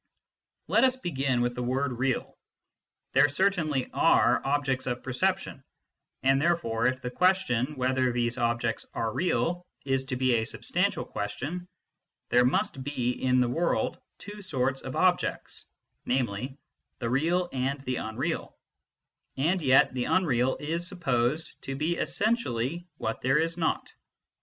Let us begin with the word " real." There certainly are objects of perception, and therefore, if the question whether these objects are real is to be a substantial question, there must be in the world two sorts of objects, namely, the real and the unreal, and yet the unreal is supposed to be essentially what there is not.